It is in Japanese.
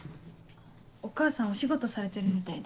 お母さんお仕事されてるみたいで。